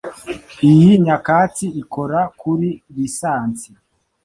Iyi nyakatsi ikora kuri lisansi. .